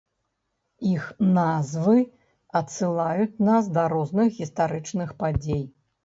Іх назвы адсылаюць нас да розных гістарычных падзей.